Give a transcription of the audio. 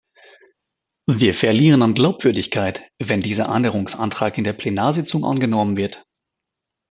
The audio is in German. Wir verlieren an Glaubwürdigkeit, wenn dieser Änderungsantrag in der Plenarsitzung angenommen wird.